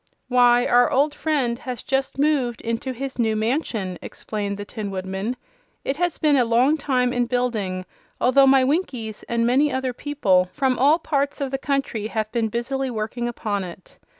"Why, our old friend has just moved into his new mansion," explained the Tin Woodman. "It has been a long time in building, although my Winkies and many other people from all parts of the country have been busily working upon it.